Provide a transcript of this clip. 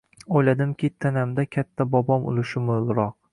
O’yladimki, tanamda katta bobom ulushi mo’lroq.